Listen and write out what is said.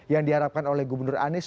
yang diharapkan oleh gubernur anies